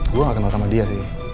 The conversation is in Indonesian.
gue gak kenal sama dia sih